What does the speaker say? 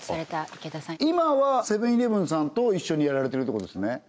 今はセブン−イレブンさんと一緒にやられてるってことですね